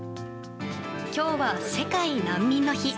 今日は世界難民の日。